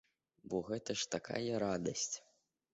Бо гэта ж такая радасць!